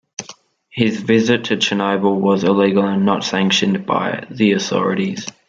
His visit to Chernobyl was illegal and not sanctioned by the authorities.